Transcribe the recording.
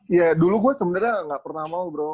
iya dulu gue sebenernya gak pernah mau bro